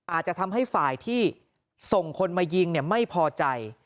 อาจจะทำให้ฝ่ายที่ส่งคนมายิงไม่พอใจ